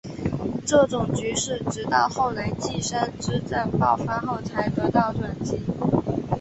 这种局势直到后来稷山之战爆发后才得到转机。